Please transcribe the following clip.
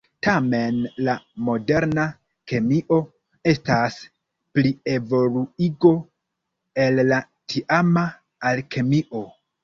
Tamen la moderna kemio estas plievoluigo el la tiama alkemio.